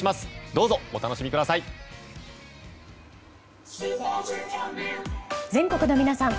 どうぞ、お楽しみください！